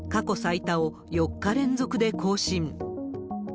過去最多を４日連続で更新。